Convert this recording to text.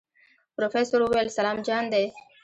پروفيسر وويل سلام جان دی.